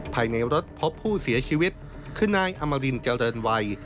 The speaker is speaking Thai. ภายในรถพบผู้เสียชีวิตคือนายอมรินเจริญวัย